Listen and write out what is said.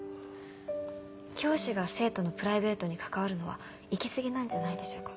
教師が生徒のプライベートに関わるのは行き過ぎなんじゃないでしょうか？